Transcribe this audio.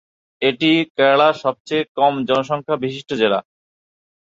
এটি কেরালার সবচেয়ে কম জনসংখ্যা বিশিষ্ট জেলা।